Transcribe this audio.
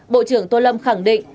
bộ trưởng tô lâm khẳng định